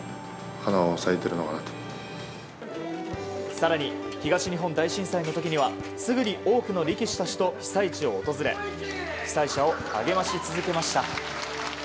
更に東日本大震災の時にはすぐに多くの力士たちと被災地を訪れ被災者を励まし続けました。